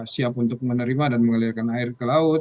siap untuk menerima dan mengalirkan air ke laut